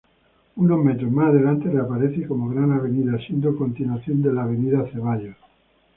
Unos metros más adelante, reaparece como gran avenida, siendo continuación de la "Avenida Zeballos".